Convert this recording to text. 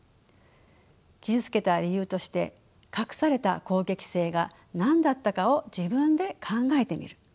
傷つけた理由として隠された攻撃性が何だったかを自分で考えてみる。